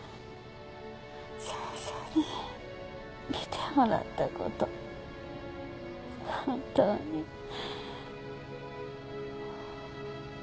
先生に診てもらったこと本当にうれしいの。